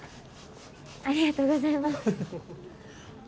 ありがとうございます。